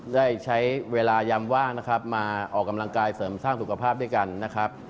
ได้ใช้เวลายำว่างนะครับมาออกกำลังกายเสริมสร้างสุขภาพด้วยกันนะครับ